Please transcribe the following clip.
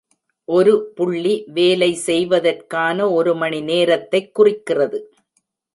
ஒரு புள்ளி வேலை செய்வதற்கான ஒரு மணி நேரத்தைக் குறிக்கிறது.